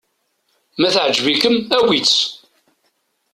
Ma teɛǧeb-ikem, awi-tt.